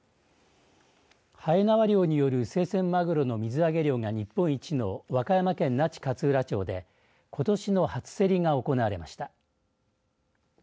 はえなわ漁による生鮮まぐろの水揚げ量が日本一の和歌山県那智勝浦町でことしの初競りが行われました。